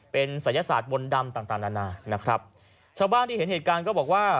เป็นศัยศาสตร์มนต์ดำต่างต่างนานานะครับชาวบ้านที่เห็นเหตุการณ์ก็บอกว่า